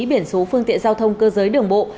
biển số phương tiện giao thông cơ giới đường bộ